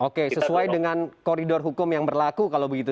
oke sesuai dengan koridor hukum yang berlaku kalau begitu